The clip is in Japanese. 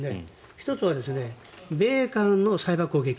１つは米韓のサイバー攻撃。